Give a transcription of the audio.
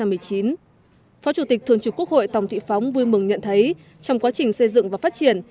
phó chủ tịch thường trực quốc hội tòng thị phóng vui mừng nhận thấy trong quá trình xây dựng và phát triển